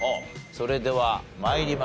それでは参りましょう。